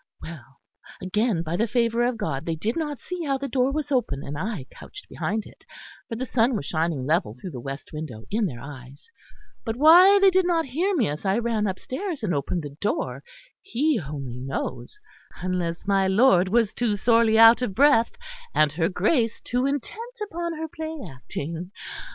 Well, again by the favour of God, they did not see how the door was open and I couched behind it, for the sun was shining level through the west window in their eyes; but why they did not hear me as I ran upstairs and opened the door, He only knows unless my lord was too sorely out of breath and her Grace too intent upon her play acting.